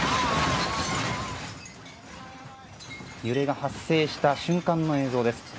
揺れが発生した瞬間の映像です。